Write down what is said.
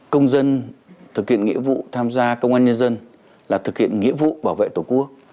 công dân thực hiện nghĩa vụ tham gia công an nhân dân là thực hiện nghĩa vụ bảo vệ tổ quốc